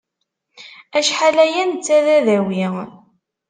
Acḥal aya netta d adawi.